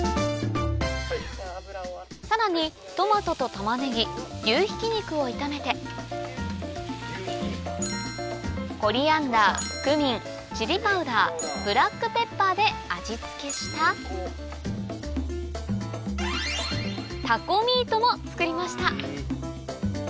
さらにトマトとタマネギ牛ひき肉を炒めてコリアンダークミンチリパウダーブラックペッパーで味付けしたも作りました